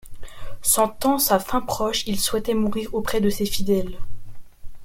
Sentant sa fin proche il souhaitait mourir auprès de ses fidèles.